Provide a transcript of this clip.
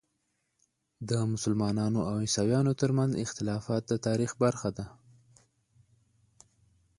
د مسلمانو او عیسویانو ترمنځ اختلافات د تاریخ برخه ده.